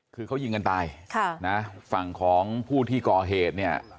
คือเขายิงกันตายค่ะนะฝั่งของผู้ที่ก่อเหตุเนี่ย